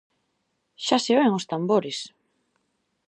Xa se oen os tambores!